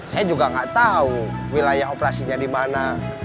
saya juga gak tau wilayah operasinya di mana